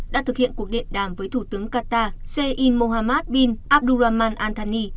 đã thực hiện cuộc điện đàm với thủ tướng qatar sein mohammed bin abdurrahman antalya